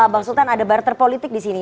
bang sultan ada barter politik di sini